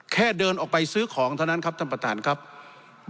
แค่เดินออกไปซื้อของเท่านั้นครับท่านประธานครับ